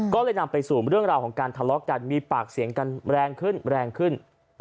ก็เลยนำไปสู่เรื่องราวของการทะเลาะกันมีปากเสียงกันแรงขึ้นแรงขึ้น